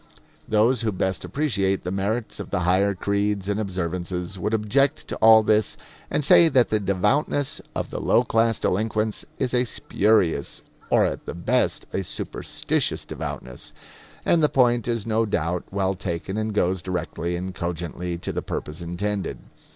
Those who best appreciate the merits of the higher creeds and observances would object to all this and say that the devoutness of the low class delinquents is a spurious, or at the best a superstitious devoutness; and the point is no doubt well taken and goes directly and cogently to the purpose intended.